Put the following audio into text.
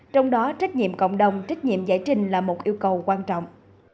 trong đó trách nhiệm cộng đồng trách nhiệm giải trình là một yêu cầu quan trọng